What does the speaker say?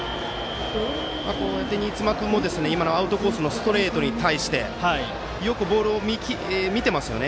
新妻君もアウトコースのストレートに対してよくボールを見ていますよね。